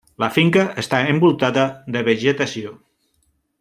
La finca està envoltada de vegetació.